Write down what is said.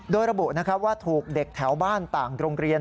โดยระบุว่าถูกเด็กแถวบ้านต่างโรงเรียน